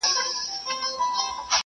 هر انسان خپلې ځانګړې ځانګړنې لري.